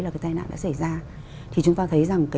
là cái tai nạn đã xảy ra thì chúng ta thấy rằng